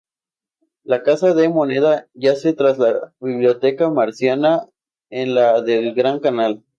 La Casa de Moneda yace tras la Biblioteca Marciana en la del Gran Canal.